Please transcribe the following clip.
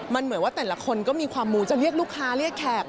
มันเหมือนว่าแต่ละคนก็มีความมูจะเรียกลูกค้าเรียกแขก